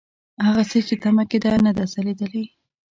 هغسې چې تمه کېده نه ده ځلېدلې.